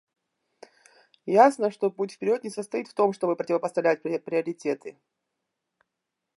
Ясно, что путь вперед не состоит в том, чтобы противопоставлять приоритеты.